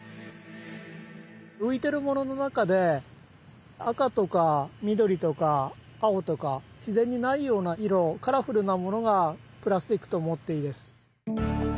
浮いてるものの中で赤とか緑とか青とか自然にないような色カラフルなものがプラスチックと思っていいです。